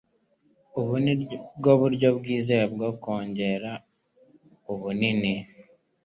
ubu nibwo buryo bwizewe bwo kongera ubunini